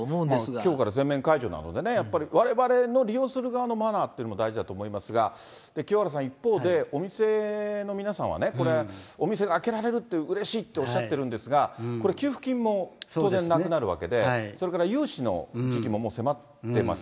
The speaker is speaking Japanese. きょうから全面解除なのでね、やっぱりわれわれの利用する側のマナーっていうのも大事だと思いますが、清原さん、一方でお店の皆さんはね、これはお店が開けられるって、うれしいっておっしゃってるんですが、これ、給付金も当然なくなるわけで、それから融資の時期も迫ってます。